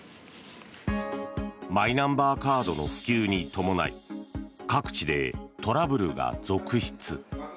マイナンバーカードの普及に伴い各地でトラブルが続出。